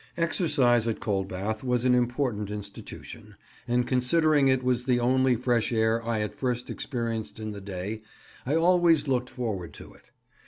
Exercise at Coldbath was an important institution, and considering it was the only fresh air I at first experienced in the day, I always looked forward to it.